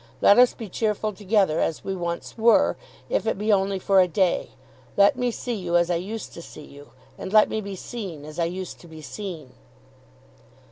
Let us be cheerful together, as we once were, if it be only for a day. Let me see you as I used to see you, and let me be seen as I used to be seen.